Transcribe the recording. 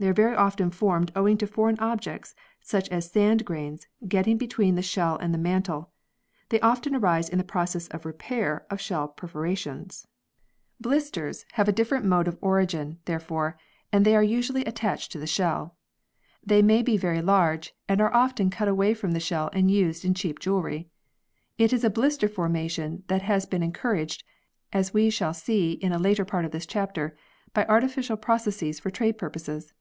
They are very often formed owing to foreign objects such as sand grains getting between the shell and the mantle ; they often arise in the process of repair of shell perforations. 54 PEARLS [CH. " Blisters " have a different mode of origin, there fore, and they are usually attached to the shell. They may be very large, and are often cut away from the shell and used in cheap jewellery. It is blister formation that has been encouraged, as we shall see in a later part of this chapter, by artificial processes for trade purposes.